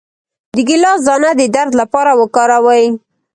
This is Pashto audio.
د ګیلاس دانه د درد لپاره وکاروئ